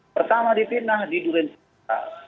pertama dipitnah di duransika